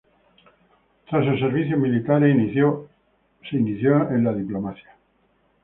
Tras sus servicios militares, inició en la diplomacia.